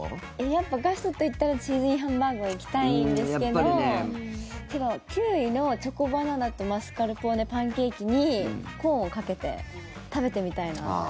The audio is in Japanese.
やっぱガストといったらチーズＩＮハンバーグ行きたいんですけどけど、９位のチョコバナナとマスカルポーネパンケーキにコーンをかけて食べてみたいなって。